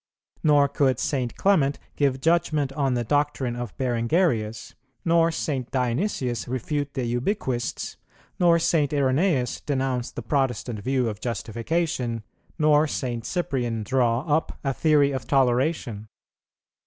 Nor could St. Clement give judgment on the doctrine of Berengarius, nor St. Dionysius refute the Ubiquists, nor St. Irenæus denounce the Protestant view of Justification, nor St. Cyprian draw up a theory of toleration.